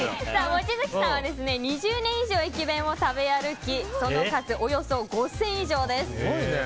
望月さんは２０年以上、駅弁を食べ歩きその数およそ５０００以上です。